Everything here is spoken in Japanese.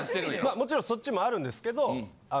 もちろんそっちもあるんですけど。